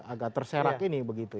agak terserak ini begitu